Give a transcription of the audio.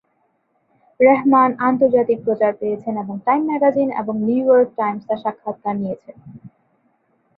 রেহমান আন্তর্জাতিক প্রচার পেয়েছেন এবং টাইম ম্যাগাজিন এবং নিউ ইয়র্ক টাইমস তার সাক্ষাৎকার নিয়েছে।